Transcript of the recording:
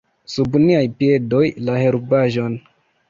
Sub niaj piedoj: la herbaĵon!